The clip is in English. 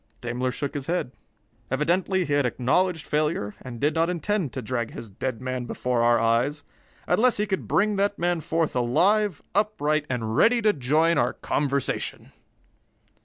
Daimler shook his head. Evidently he had acknowledged failure and did not intend to drag his dead man before our eyes, unless he could bring that man forth alive, upright, and ready to join our conversation!